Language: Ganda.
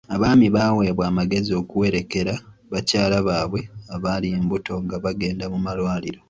Abaami baaweebwa amagezi okuwerekera bakyala baabwe abali embuto nga bagenda mu malwaliro.